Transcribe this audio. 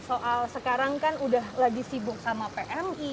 soal sekarang kan udah lagi sibuk sama pmi